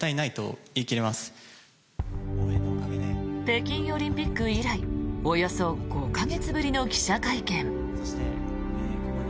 北京オリンピック以来およそ５か月ぶりの記者会見。